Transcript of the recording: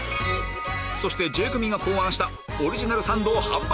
そしてＪ組が考案したオリジナルサンドを販売